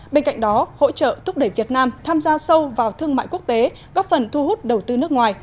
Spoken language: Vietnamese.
bên cạnh đó hỗ trợ thúc đẩy việt nam tham gia sâu vào thương mại quốc tế góp phần thu hút đầu tư nước ngoài